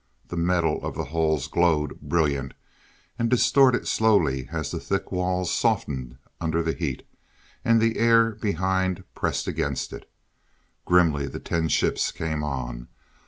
The metal of the hulls glowed brilliant, and distorted slowly as the thick walls softened under the heat, and the air behind pressed against it. Grimly the ten ships came on.